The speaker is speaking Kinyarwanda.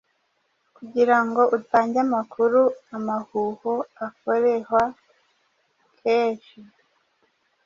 kugirango utange amakuru Amahuho akorehwa kenhi